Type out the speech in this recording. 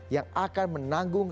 yang akan menanggung